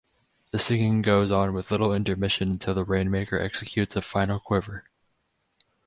The singing goes on with little intermission until the rainmaker executes a final quiver.